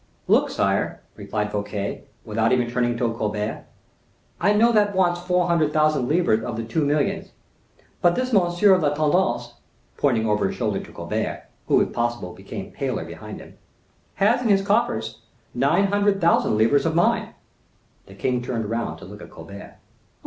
"Look, sire," replied Fouquet, without even turning towards Colbert, "I know that wants four hundred thousand livres of the two millions. But this monsieur of l'intendance" (pointing over his shoulder to Colbert, who if possible, became paler, behind him) "has in his coffers nine hundred thousand livres of mine." The king turned round to look at Colbert.